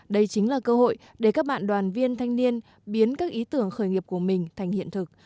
đây chính là cơ hội để các bạn đoàn viên thanh niên biến các ý tưởng khởi nghiệp của mình thành hiện thực